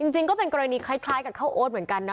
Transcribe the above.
จริงก็เป็นกรณีคล้ายกับข้าวโอ๊ตเหมือนกันนะ